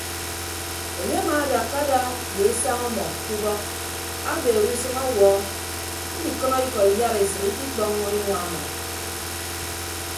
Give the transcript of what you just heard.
Enye amaadakka ada ye esañ ọmọ ke ubọk abeere usʌñ awuọ ndikʌnọ ikọ iyaresịt ikikpọññọ inua ọmọ.